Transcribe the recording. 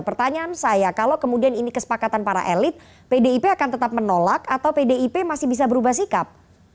pertanyaan saya kalau kemudian ini kesepakatan para elit pdip akan tetap menolak atau pdip masih bisa berubah sikap